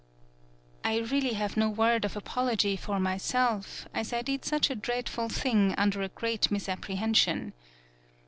"I really have no word of apology for myself, as I did such a dreadful thing under a great misapprehension.